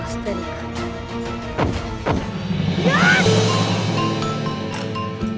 ia harus melakukan sesuatu